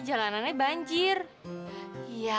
jalanannya banjir iya